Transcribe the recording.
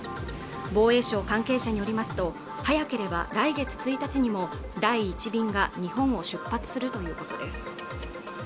防衛省関係者によりますと早ければ来月１日にも第１便が日本を出発するということです